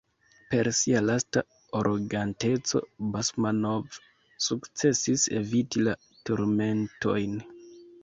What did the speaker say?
Per sia lasta aroganteco Basmanov sukcesis eviti la turmentojn.